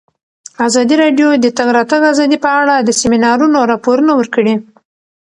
ازادي راډیو د د تګ راتګ ازادي په اړه د سیمینارونو راپورونه ورکړي.